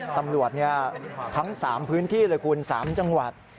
ตำรวจทั้ง๓พื้นที่เลยคุณ๓จังหวัด